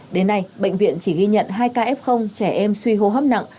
đến nay bệnh viện chỉ ghi nhận hai ca f trẻ em suy hô hấp nặng